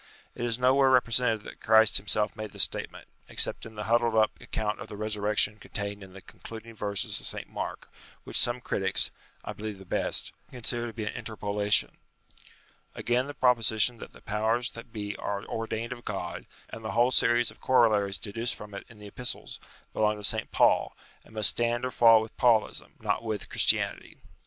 It is nowhere represented that Christ himself made this statement, except in the huddled up account of the Resurrection contained in the con cluding verses of St. Mark, which some critics (I believe the best), consider to be an interpolation. Again, the proposition that " the powers that be are ordained of God" and the whole series of corollaries deduced from it in the Epistles, belong to St. Paul, and must stand or fall with Paulism, not with UTILITY OF RELIGION 115 Chris inanity.